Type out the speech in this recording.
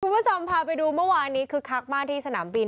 คุณผู้ชมพาไปดูเมื่อวานนี้คึกคักมากที่สนามบิน